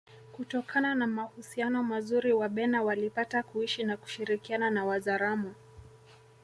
Kutokana na mahusiano mazuri Wabena walipata kuishi na kushirikiana na Wazaramo